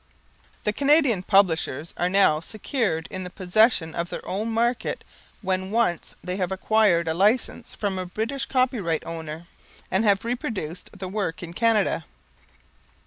The Canadian publishers are now secured in the possession of their own market when once they have acquired a license from a British copyright owner, and have reproduced the work in Canada.